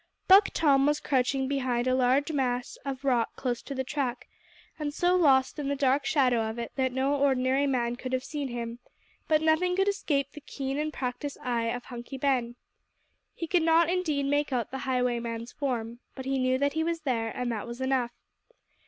Buck Tom was crouching behind a large mass of rock close to the track, and so lost in the dark shadow of it that no ordinary man could have seen him; but nothing could escape the keen and practised eye of Hunky Ben. He could not indeed make out the highwayman's form, but he knew that he was there and that was enough.